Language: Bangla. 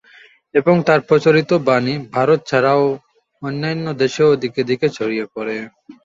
এবং তার প্রচারিত বাণী ভারত ছাড়াও অন্যান্য দেশেও দিকে-দিকে ছড়িয়ে পড়ে।